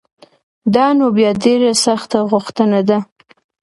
دا نو بیا ډېره سخته غوښتنه ده